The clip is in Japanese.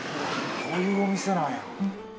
こういうお店なんや。